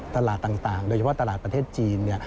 ตลาดต่างโดยเฉพาะตลาดประเทศจีน